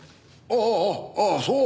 あああっそう。